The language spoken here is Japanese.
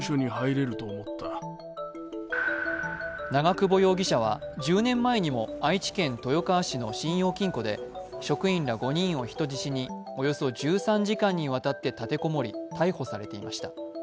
長久保容疑者は１０年前にも愛知県豊川市の信用金庫で職員ら５人を人質におよそ１３時間にわたって立て籠もり逮捕されていました。